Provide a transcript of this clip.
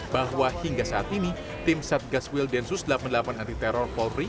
bahwa hingga saat ini tim satgas wil densus delapan puluh delapan anti teror polri